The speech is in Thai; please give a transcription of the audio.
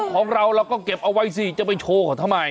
ของเราเราก็เก็บเอาไว้สิจะไปโชว์เขาทำไม